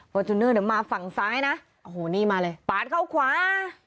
จูเนอร์เดี๋ยวมาฝั่งซ้ายนะโอ้โหนี่มาเลยปาดเข้าขวา